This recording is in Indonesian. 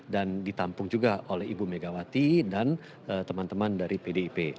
dan ditampung juga oleh ibu megawati dan teman teman dari pdip